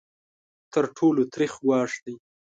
تر ټولو تریخ ګواښ دی.